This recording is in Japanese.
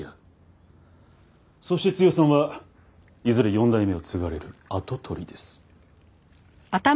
そして剛さんはいずれ４代目を継がれる跡取りです。